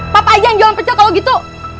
papa aja yang jualan pecel kalau gitu